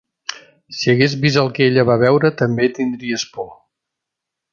Si hagués vist el que ella va veure també tindries por